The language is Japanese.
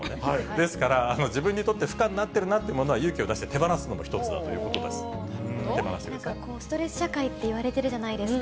ですから、自分にとって負荷になっているなというものは勇気を出して手放すのも一つだということストレス社会っていわれてるじゃないですか。